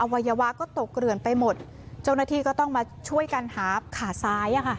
วัยวะก็ตกเกลื่อนไปหมดเจ้าหน้าที่ก็ต้องมาช่วยกันหาขาซ้าย